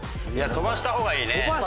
いや飛ばした方がいいね。